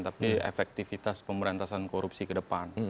tapi efektivitas pemberantasan korupsi ke depan